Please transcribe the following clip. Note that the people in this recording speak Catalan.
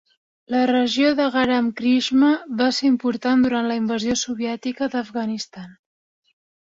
La regió de Garam Chishma va ser important durant la invasió soviètica d"Afghanistan.